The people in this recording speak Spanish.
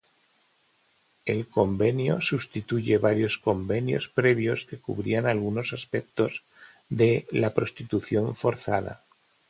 El Convenio sustituye varios convenios previos que cubrían algunos aspectos de la prostitución forzada.